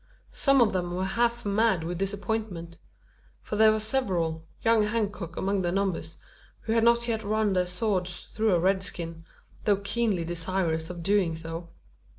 Some of them were half mad with disappointment: for there were several young Hancock among the number who had not yet run their swords through a red skin, though keenly desirous of doing so!